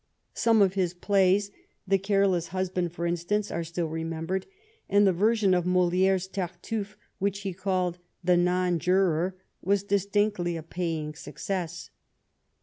Some of his plays, " The Careless Husband," for instance, are still remembered, and the version of Moliere's "Tartufe," which he called the "Non Juror," was distinctly a paying success.